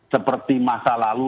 seperti masa lalu lalu